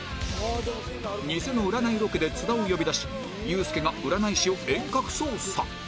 ニセの占いロケで津田を呼び出しユースケが占い師を遠隔操作